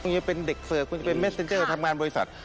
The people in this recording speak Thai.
คุณจะเป็นเด็กเสิร์ฟคุณจะเป็นเมเซ็นเจอร์ทำงานบริษัท